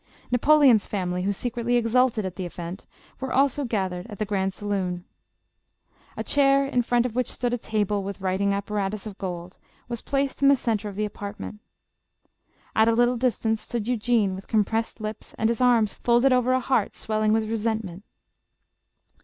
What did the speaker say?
Napoleon's • family, who secretly exulted at the event, were also gathered in the grand saloon. A chair, in front of which stood a table with writing apparatus of gold, was placed in the centre of the apartment. At a little distance stood Eugene with compressed lips and his arms folded over a heart swelling with resentment.